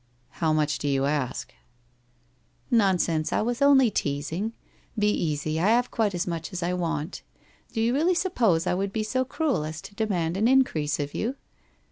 ' How much do you ask ?'' Xonsense, I was only teasing. Be easy, I have quite as much as I want. Do you really suppose I would be so cruel as to demand an increase of you